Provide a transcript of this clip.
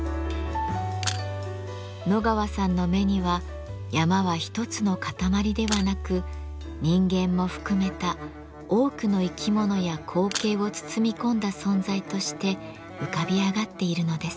野川さんの目には山は一つの塊ではなく人間も含めた多くの生き物や光景を包み込んだ存在として浮かび上がっているのです。